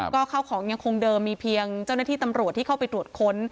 ก็เข้าของยังคงเดิมมีเพียงเจ้าหน้าที่ตำรวจที่เข้าไปตรวจค้น